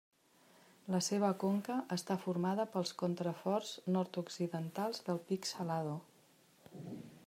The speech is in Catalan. La seva conca està formada pels contraforts nord-occidentals del Pic Salado.